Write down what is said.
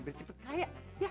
biar cepet kaya